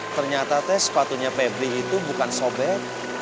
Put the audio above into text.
ternyata teh sepatunya febri itu bukan sobek